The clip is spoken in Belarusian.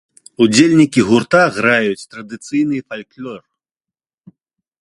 Удзельнікі гурта граюць традыцыйны фальклор.